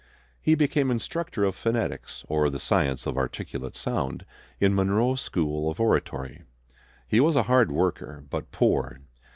He became instructor of phonetics, or the science of articulate sound, in Monroe's School of Oratory. He was a hard worker, but poor.